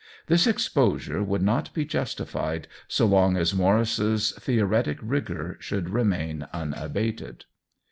This ex posure would not be justified so long as Maurice's theoretic rigor should remain un abated.